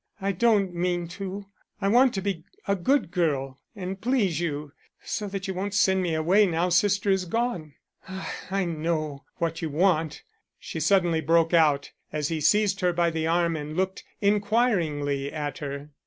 I don't mean to, I want to be a good girl and please you, so that you won't send me away now sister is gone. Ah, I know what you want," she suddenly broke out, as he seized her by the arm and looked inquiringly at her.